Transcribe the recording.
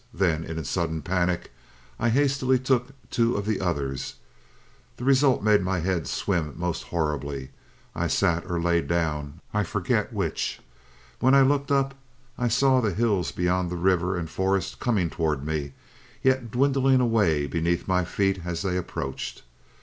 Then, in a sudden panic, I hastily took two of the others. The result made my head swim most horribly. I sat or lay down, I forget which. When I looked up I saw the hills beyond the river and forest coming towards me, yet dwindling away beneath my feet as they approached.